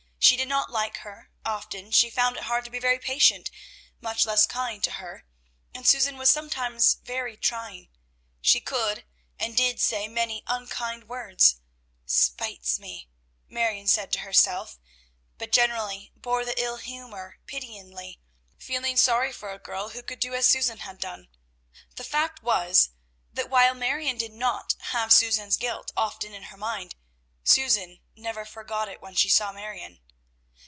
She did not like her, often she found it hard to be even patient, much less kind, to her, and Susan was sometimes very trying. She could, and did, say many unkind words, "spites me," Marion said to herself; but generally bore the ill humor pityingly, feeling sorry for a girl who could do as Susan had done. The fact was, that while Marion did not have Susan's guilt often in her mind, Susan never forgot it when she saw Marion.